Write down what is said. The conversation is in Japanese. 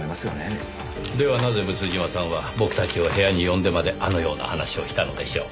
ではなぜ毒島さんは僕たちを部屋に呼んでまであのような話をしたのでしょう？